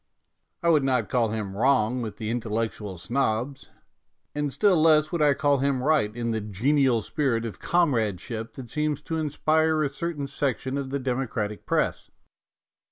I would not call him wrong with the intellectual snobs, and still less would I call him right in the genial spirit of comradeship that seems to inspire a certain section of the democratic Press.